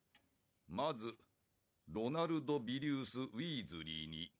「まずロナルド・ビリウス・ウィーズリーに」